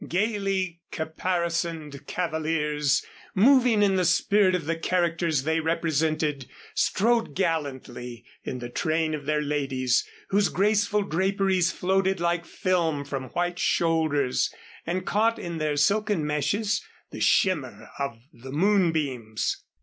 Gayly caparisoned cavaliers, moving in the spirit of the characters they represented strode gallantly in the train of their ladies whose graceful draperies floated like film from white shoulders and caught in their silken meshes the shimmer of the moonbeams.